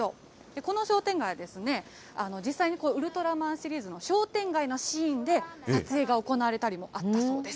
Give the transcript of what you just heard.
この商店街はですね、実際にウルトラマンシリーズの商店街のシーンで、撮影が行われたりもあったそうです。